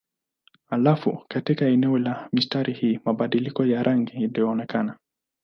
Halafu katika eneo la mistari hii mabadiliko ya rangi ilionekana.